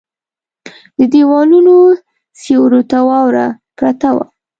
د ديوالونو سيورو ته واوره پرته وه.